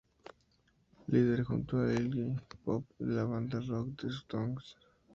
Líder junto a Iggy Pop de la banda de rock the Stooges.